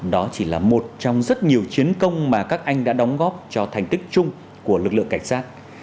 đó chỉ là một trong rất nhiều chiến công mà các anh đã đóng góp cho thành tích chung của lực lượng cảnh sát